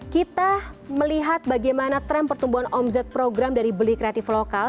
kita melihat bagaimana tren pertumbuhan omzet program dari beli kreatif lokal